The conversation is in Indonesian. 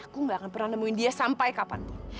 aku gak akan pernah nemuin dia sampai kapan itu